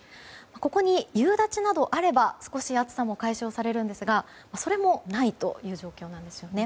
ここに夕立などあれば少し暑さも解消されるんですがそれもないという状況です。